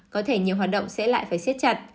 có thể nhiều hoạt động sẽ lại phải xếp chặt